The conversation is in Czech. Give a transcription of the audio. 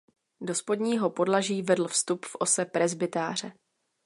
Do spodního podlaží vedl vstup v ose presbytáře.